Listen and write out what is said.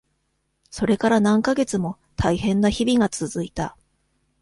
それから何ヶ月もたいへんな日々が続いた。